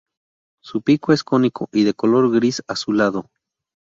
Su pico es cónico y de color gris azulado.